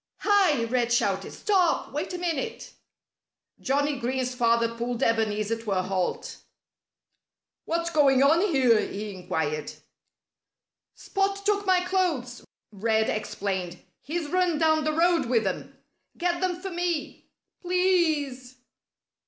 "Hi!" Red shouted. "Stop! Wait a minute!" Johnnie Green's father pulled Ebenezer to a halt. "What's going on here?" he inquired. "Spot took my clothes," Red explained. "He's run down the road with them. Get them for me please!"